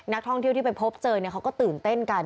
นักท่องเที่ยวที่ไปพบเจอเขาก็ตื่นเต้นกัน